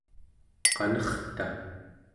qanerta